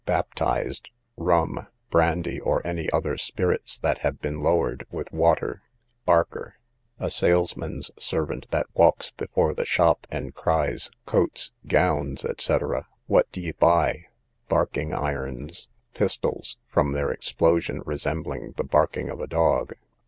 Baptised, rum, brandy, or any other spirits that have been lowered with water. Barker, a salesman's servant that walks before the shop, and cries, coats, gowns, &c., what d'ye buy? Barking irons, pistols, from their explosion resembling the barking of a dog.